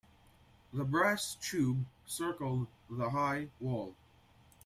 The brass tube circled the high wall.